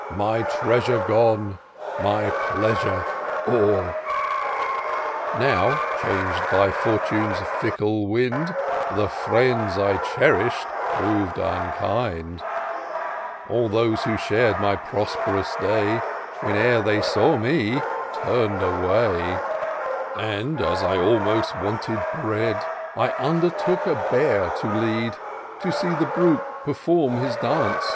My treasure gone, my pleasure o'er. 284 TOUR OF DOCTOR SYNTAX " Now, changed by Fortune's fickle wind, The friends I cherish'd prov'd unkind : All those who shar'd my prosperous day, Whene'er they saw me — tum'd away; And, as I almost wanted bread, I undertook a bear to lead, To see the brute perform his dance.